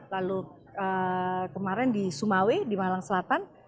lalu kemarin di sumawe di malang selatan